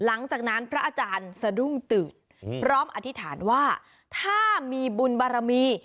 หลังจากนั้นพระอาจารย์สะดุ้งตื่นพร้อมอธิษฐานว่าถ้ามีบุญบารมี